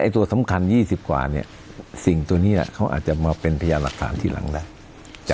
ตัวสำคัญ๒๐กว่าสิ่งตัวนี้เขาอาจจะมาเป็นพยานหลักฐานทีหลังแล้ว